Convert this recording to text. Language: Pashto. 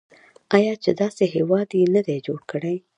آیا چې داسې هیواد یې نه دی جوړ کړی؟